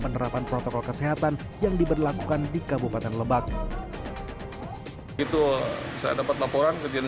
penerapan protokol kesehatan yang diberlakukan di kabupaten lebak itu saya dapat laporan kejadian